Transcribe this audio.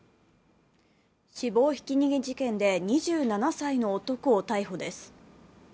死亡ひき逃げ事件で２７歳の男を逮捕です。